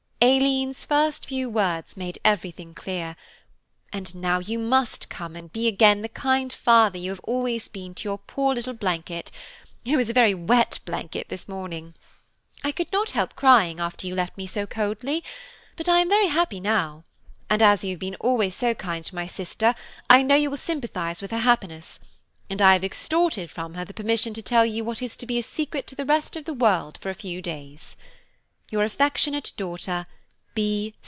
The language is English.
Aileen's first few words made everything clear, and now you must come and be again the kind father you have always been to your poor little Blanket, who was a very wet blanket this morning. I could not help crying after you left me so coldly, but I am very happy now, and you have been always so kind to my sister that I know you will sympathise with her happiness, and I have extorted from her the permission to tell you what is to be a secret to the rest of the world for a few days. "Your affectionate daughter.